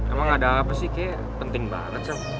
emang ada apa sih kayaknya penting banget sob